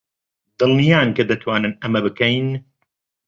دڵنیان کە دەتوانین ئەمە بکەین؟